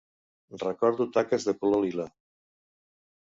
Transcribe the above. Recordo taques de color lila.